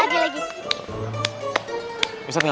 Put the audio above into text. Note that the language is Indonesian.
nggak usah nanya